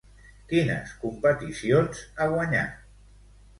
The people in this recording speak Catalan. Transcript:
Quines competicions ha guanyat?